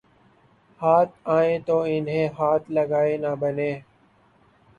ہاتھ آویں تو انہیں ہاتھ لگائے نہ بنے